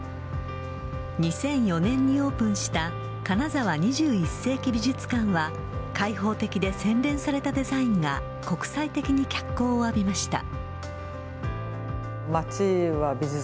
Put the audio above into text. ２００４年にオープンした金沢２１世紀美術館は開放的で洗練されたデザインが国際的に脚光を浴びました。